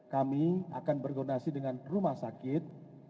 kami akan berkoordinasi dengan rumah sakit